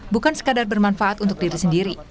bukan sekadar bermanfaat untuk diri sendiri